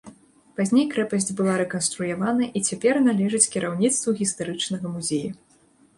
Пазней крэпасць была рэканструявана і цяпер належыць кіраўніцтву гістарычнага музея.